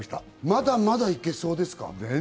まだまだ行けそうですか？